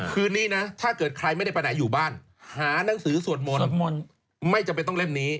คืนนี้นะถ้าเกิดใครไม่ได้ไปไหนอยู่บ้านหานังสือสวดมนต์ไม่จำเป็นต้องเล่มนี้